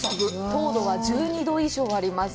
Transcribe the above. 糖度は１２度以上あります。